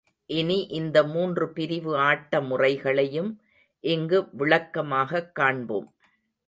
இனி இந்த மூன்று பிரிவு ஆட்ட முறைகளையும் இங்கு விளக்கமாகக் காண்போம்.